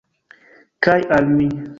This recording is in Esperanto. Kaj al mi.